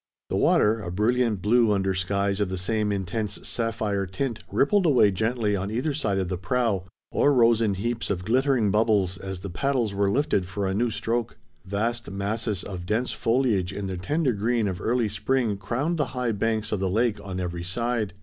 The water, a brilliant blue under skies of the same intense sapphire tint, rippled away gently on either side of the prow, or rose in heaps of glittering bubbles, as the paddles were lifted for a new stroke. Vast masses of dense foliage in the tender green of early spring crowned the high banks of the lake on every side.